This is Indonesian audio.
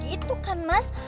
itu kan mas